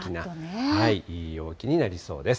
いい陽気になりそうです。